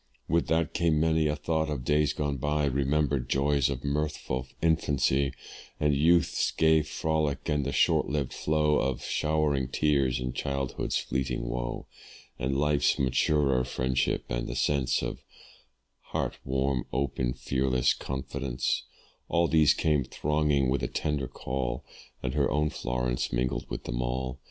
With that came many a thought of days gone by, Remembered joys of mirthful infancy; And youth's gay frolic, and the short lived flow Of showering tears, in childhood's fleeting wo, And life's maturer friendship and the sense Of heart warm, open, fearless confidence; All these came thronging with a tender call, And her own Florence mingled with them all.